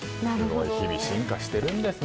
日々進化しているんですね。